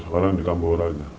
sekarang di tamboraja